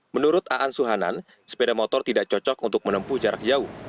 menurut aan suhanan sepeda motor tidak cocok untuk menempuh jarak jauh